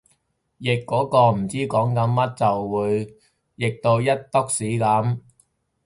譯嗰個唔知講緊乜就會譯到一坺屎噉